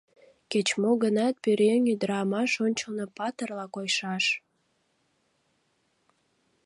Кеч-мо гынат пӧръеҥ ӱдырамаш ончылно патырла койшаш.